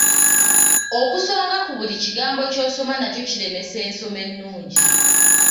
Okusonga ku buli kigambo ky'osoma nakyo kiremesa ensoma ennungi.